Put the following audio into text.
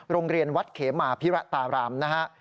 โรงเรียนวัดเขมาพิระตารามนะฮะ